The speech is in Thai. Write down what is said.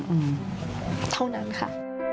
เท่านั้นค่ะ